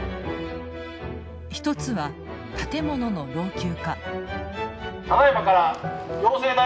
一つは建物の老朽化。